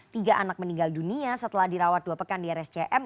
tiga anak meninggal dunia setelah dirawat dua pekan di rscm